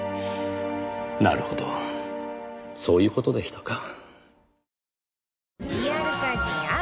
なるほどそういう事でしたか。